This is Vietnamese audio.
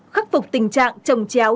khắc phục tình trạng trồng chéo